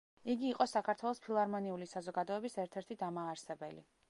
იგი იყო საქართველოს ფილარმონიული საზოგადოების ერთ-ერთი დამაარსებელი.